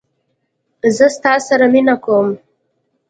زه ستا سره مینه کوم